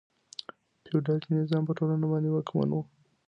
فیوډالي نظام په ټولنه باندې واکمن و.